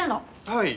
はい。